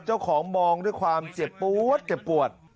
เจ้าของมองด้วยความเจ็บปวดเจ็บปวด